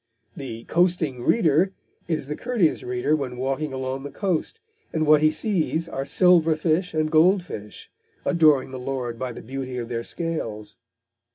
The "coasting reader" is the courteous reader when walking along the coast, and what he sees are silver fish and gold fish, adoring the Lord by the beauty of their scales.